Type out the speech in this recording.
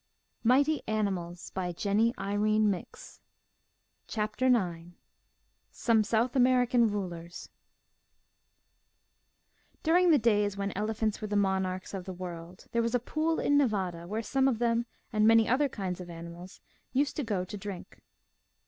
MIGHTY ANIMALS 9 (130) GLYPTODON SOME SOUTH AMERICAN RULERS DURING the days when elephants were the mon archs of the world, there was a pool in Nevada where some of them and many other kinds of ani mals used to go to drink.